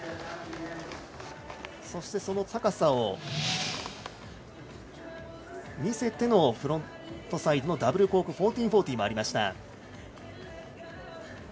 そして、高さを見せてのフロントサイドのダブルコーク１４４０もありました。